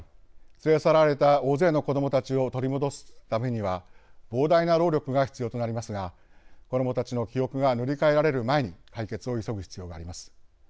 連れ去られた大勢の子どもたちを取り戻すためには膨大な労力が必要となりますが子どもたちの記憶が塗り替えられる前に解決を急ぐ必要があります。